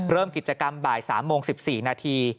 เริ่มกิจกรรมบ่าย๓โมง๑๔นาที